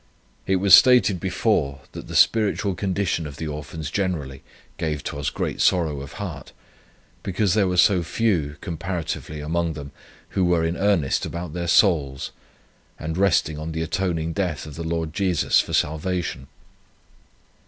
It was stated before, that the spiritual condition of the Orphans generally gave to us great sorrow of heart, because there were so few, comparatively, among them, who were in earnest about their souls, and resting on the atoning death of the Lord Jesus for salvation.